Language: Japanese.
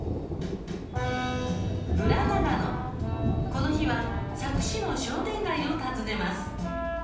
この日は佐久市の商店街を訪ねます。